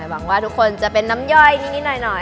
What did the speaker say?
หวังว่าทุกคนจะเป็นน้ำย่อยนิดหน่อย